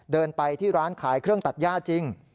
เดินไปที่ร้านขายเครื่องตัดย่าจริง